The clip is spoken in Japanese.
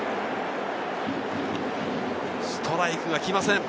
ストライクが来ません。